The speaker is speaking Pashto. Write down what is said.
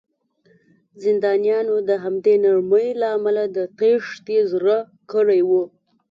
زندانیانو د همدې نرمۍ له امله د تېښتې زړه کړی و